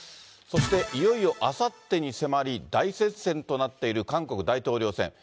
そして、いよいよあさってに迫り、大接戦となっている韓国大統領選。